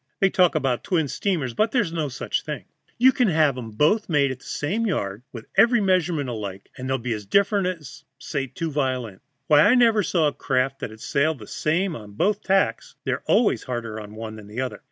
They talk about twin steamers, but there's no such thing. You can have 'em both made in the same yard, with every measurement alike, and they'll be as different, sir, as as two violins. Why, I never saw a craft that'd sail the same on both tacks; they're always harder on one than the other.